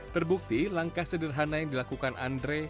terbukti langkah sederhana yang dilakukan andre